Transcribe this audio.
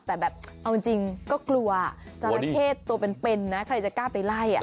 แต่แบบเอาจริงก็กลัวจราเข้ตัวเป็นนะใครจะกล้าไปไล่